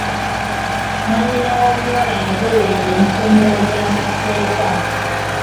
Mwannyina w'omuwala yagoberera emitendera gy'amateeka.